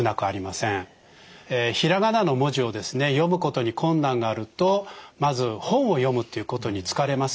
ひらがなの文字を読むことに困難があるとまず本を読むということに疲れます。